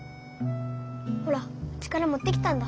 ほらうちからもってきたんだ。